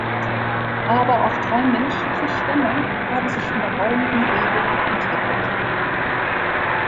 Aber auch drei menschliche Stämme haben sich in der rauen Umgebung entwickelt.